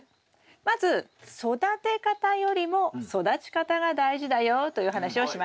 まず育て方よりも育ち方が大事だよという話をしました。